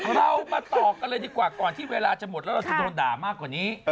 เรามาต่อกันเลยดีกว่าก่อนที่เวลาจะหมดแล้วเราจะโดนด่ามากกว่านี้